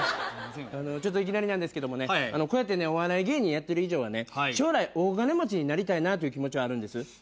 いきなりなんですけどもねお笑い芸人やってる以上はね将来大金持ちになりたいなという気持ちはあるんです。